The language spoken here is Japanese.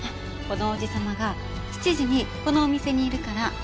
このおじ様が７時にこのお店にいるから。